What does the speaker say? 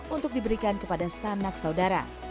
untuk diberikan kepada sanak saudara